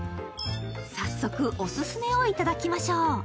早速オススメをいただきましょう。